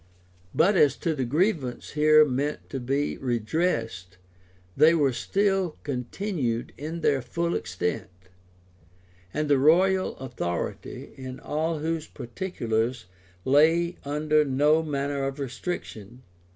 But as to the grievances here meant to be redressed, they were still continued in their full extent; and the royal authority, in all those particulars, lay under no manner of restriction.